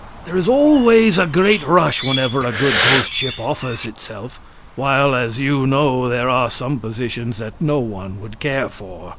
There is always a great rush whenever a good ghost ship offers itself while, as you know, there are some positions that no one would care for.